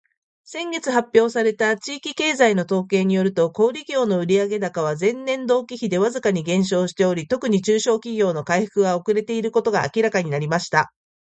「先月発表された地域経済の統計によると、小売業の売上高は前年同期比でわずかに減少しており、特に中小企業の回復が遅れていることが明らかになりました。」